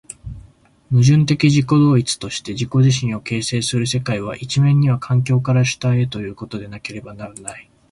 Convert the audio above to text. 矛盾的自己同一として自己自身を形成する世界は、一面には環境から主体へということでなければならない。